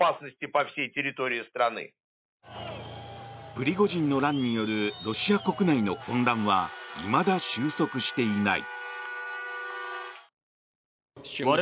プリゴジンの乱によるロシア国内の混乱はいまだ収束していない。